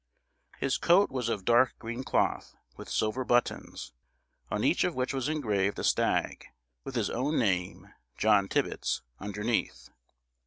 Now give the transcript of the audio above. His coat was of dark green cloth, with silver buttons, on each of which was engraved a stag, with his own name, John Tibbets, underneath.